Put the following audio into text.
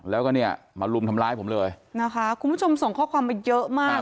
แล้วก็เนี่ยมาลุมทำร้ายผมเลยนะคะคุณผู้ชมส่งข้อความมาเยอะมาก